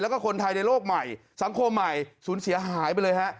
แล้วก็คนไทยในโลกใหม่สังคมใหม่สูญเสียหายไปเลยฮะ